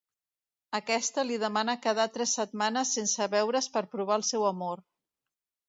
Aquesta li demana quedar tres setmanes sense veure's per provar el seu amor.